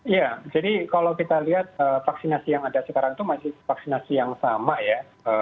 ya jadi kalau kita lihat vaksinasi yang ada sekarang itu masih vaksinasi yang sama ya